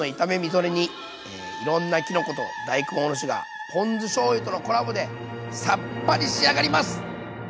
いろんなきのこと大根おろしがポン酢しょうゆとのコラボでさっぱり仕上がります。